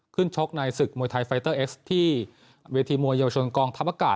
ชกในศึกมวยไทยไฟเตอร์เอ็กซ์ที่เวทีมวยเยาวชนกองทัพอากาศ